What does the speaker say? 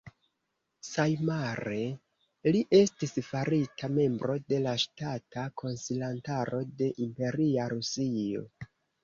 Samjare, li estis farita membro de la Ŝtata Konsilantaro de Imperia Rusio.